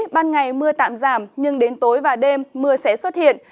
ban ngày mưa tạm giảm nhưng đến tối và đêm mưa sẽ xuất hiện